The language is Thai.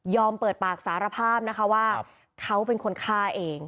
เปิดปากสารภาพนะคะว่าเขาเป็นคนฆ่าเอง